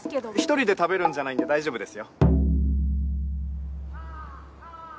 １人で食べるんじゃないんで大丈夫ですよ。